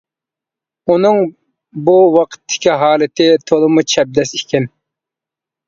ئۇنىڭ بۇ ۋاقىتتىكى ھالىتى تولىمۇ چەبدەس ئىكەن.